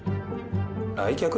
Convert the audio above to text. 来客？